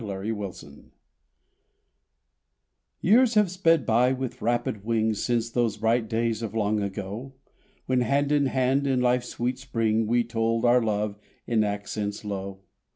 A VALENTINE Years have sped by with rapid wing Since those bright days of long ago, When, hand in hand, in Life's sweet spring, We told our love in accents low.